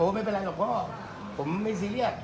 ไม่เป็นไรหรอกพ่อผมไม่ซีเรียส